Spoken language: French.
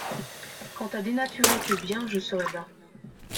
Quant à dénaturer tes biens, je serai là.